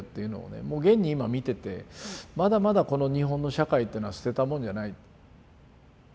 もう現に今見ててまだまだこの日本の社会っていうのは捨てたもんじゃない。